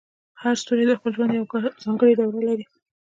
هر ستوری د خپل ژوند یوه ځانګړې دوره لري.